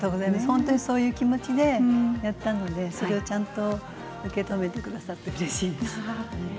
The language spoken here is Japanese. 本当にそういう気持ちでやったのでそれをちゃんと受け止めてくださってうれしいです。